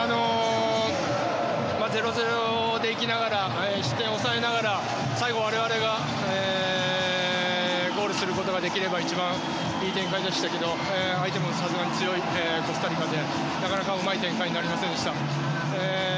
０−０で行きながら失点を抑えながら最後、我々がゴールすることができれば一番、いい展開でしたけど相手もさすがに強いコスタリカでなかなかうまい展開になりませんでした。